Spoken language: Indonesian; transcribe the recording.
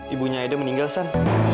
ibunya aida meninggal san